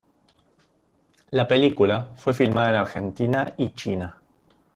La película fue filmada en Argentina y China.